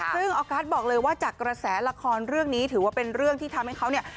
ซึ่งออกัสบอกเลยว่าจากกระแสละครเรื่องนี้ถือว่าเป็นเรื่องที่ทำให้เขาเนี่ย